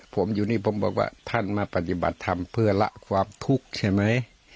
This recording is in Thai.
ผมอยู่นี่ผมบอกว่าท่านมาปฏิบัติธรรมเพื่อละความทุกข์ใช่ไหม